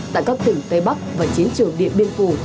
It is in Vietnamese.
tại các tỉnh tây bắc và chiến trường điện biên phủ